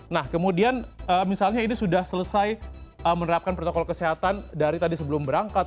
nah kemudian misalnya ini sudah selesai menerapkan protokol kesehatan dari tadi sebelum berangkat